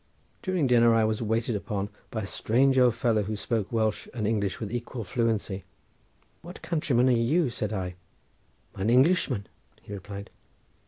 During dinner I was waited upon by a strange old fellow who spoke Welsh and English with equal fluency. "What countryman are you?" said I. "An Englishman," he replied.